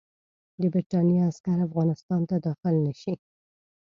د برټانیې عسکر افغانستان ته داخل نه شي.